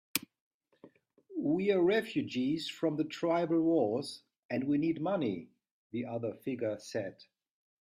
"We're refugees from the tribal wars, and we need money," the other figure said.